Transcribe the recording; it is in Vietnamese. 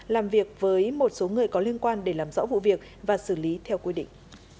làm việc với một số người có liên quan để làm rõ vụ việc và xử lý theo quy định